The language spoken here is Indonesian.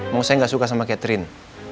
mau saya gak suka sama catherine